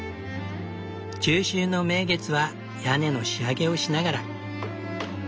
中秋の名月は屋根の仕上げをしながら。